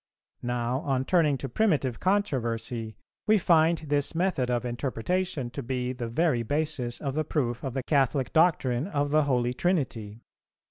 Now, on turning to primitive controversy, we find this method of interpretation to be the very basis of the proof of the Catholic doctrine of the Holy Trinity.